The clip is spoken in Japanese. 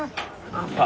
ああ。